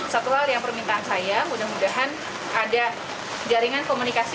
satu hal yang permintaan saya mudah mudahan ada jaringan komunikasi